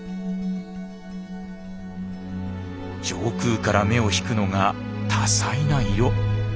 上空から目を引くのが多彩な色。